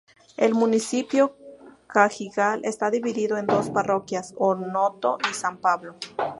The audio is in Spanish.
El Municipio Cajigal está dividido en dos parroquias, Onoto y San Pablo.